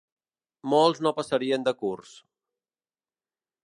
Molts no passarien de curs